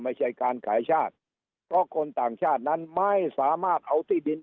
ไม่ใช่การขายชาติเพราะคนต่างชาตินั้นไม่สามารถเอาที่ดิน